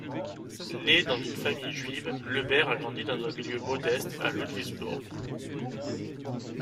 Né dans une famille juive, Lebert a grandi dans un milieu modeste à Ludwigsburg.